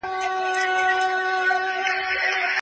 ملا د جومات له ستړي کوونکي کار وروسته کور ته راستون شو.